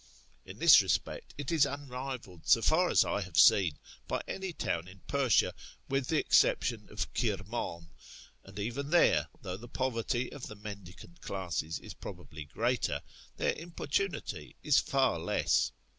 ") In this respect it is unrivalled, so far as I have seen, by any town in Persia, with the exception of Kirman ; and even there, though the poverty of the mendicant classes is probably greater, their importunity is far less.